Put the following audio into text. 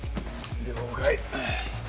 了解。